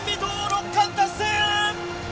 ６冠達成！